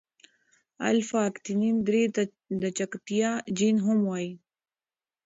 الفا اکتینین درې ته د چټکتیا جین هم وايي.